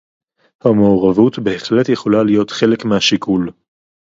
המעורבות בהחלט יכולה להיות חלק מהשיקול